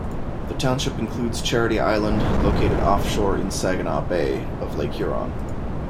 The township includes Charity Island, located offshore in Saginaw Bay of Lake Huron.